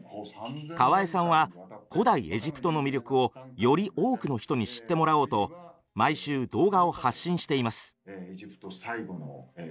河江さんは古代エジプトの魅力をより多くの人に知ってもらおうと毎週動画を発信しています。